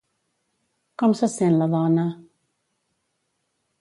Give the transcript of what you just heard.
Com se sent la dona?